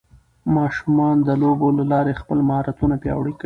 ماشومان د لوبو له لارې خپل مهارتونه پیاوړي کوي.